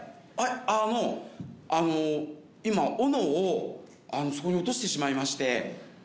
あのあの今斧をそこに落としてしまいまして。